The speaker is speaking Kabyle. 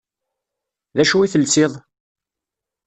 D acu i telsiḍ?